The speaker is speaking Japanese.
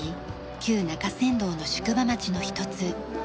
旧中山道の宿場町の一つ。